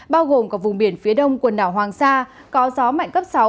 bao gồm cả vùng biển phía đông quần đảo hoàng sa có gió mạnh cấp sáu